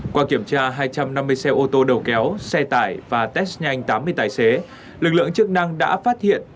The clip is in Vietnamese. qua kiểm tra hai trăm năm mươi xe ô tô đầu kéo xe tải và test nhanh tám mươi tài xế lực lượng chức năng đã phát hiện